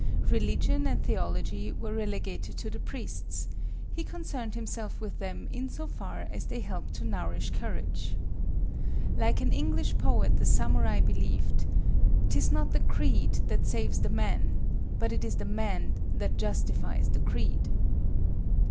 Religion and theology were relegated to the priests; he concerned himself with them in so far as they helped to nourish courage. Like an English poet the samurai believed "'tis not the creed that saves the man; but it is the man that justifies the creed."